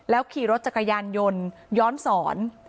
ขี่รถจักรยานยนต์ย้อนสอน